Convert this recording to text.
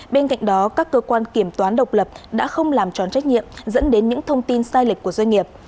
bên cạnh đó các cơ quan kiểm toán độc lập đã không làm tròn trách nhiệm dẫn đến những thông tin sai lệch của doanh nghiệp